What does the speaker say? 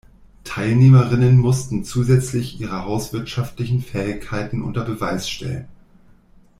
Teilnehmerinnen mussten zusätzlich ihre hauswirtschaftlichen Fähigkeiten unter Beweis stellen.